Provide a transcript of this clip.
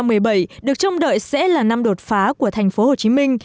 năm hai nghìn một mươi bảy được trông đợi sẽ là năm đột phá của thành phố hồ chí minh